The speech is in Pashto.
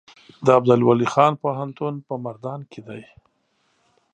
د عبدالولي خان پوهنتون په مردان کې دی